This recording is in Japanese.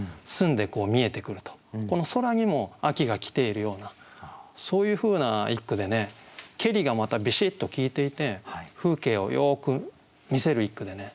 この空にも秋が来ているようなそういうふうな一句でね「けり」がまたビシッと効いていて風景をよく見せる一句でね